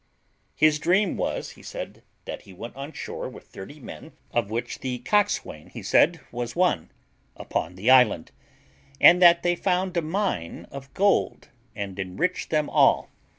His dream was, he said, that he went on shore with thirty men, of which the cockswain, he said, was one, upon the island; and that they found a mine of gold, and enriched them all.